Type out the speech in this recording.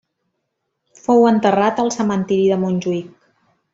Fou enterrat al Cementiri de Montjuïc.